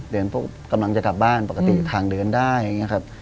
ปุ๊บกำลังจะกลับบ้านปกติทางเดินได้อย่างนี้ครับ